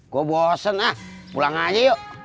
gue bosen ah pulang aja yuk